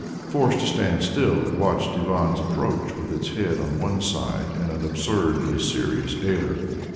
Forced to stand still, it watched Ivan's approach with its head on one side and an absurdly serious air.